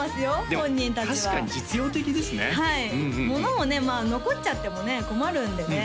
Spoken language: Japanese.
本人達はでも確かに実用的ですねはいものもねまあ残っちゃってもね困るんでね